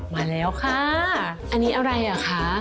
มาแล้วค่ะอันนี้อะไรอ่ะคะ